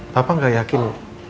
papa gak yakin